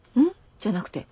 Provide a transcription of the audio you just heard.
じゃなくて。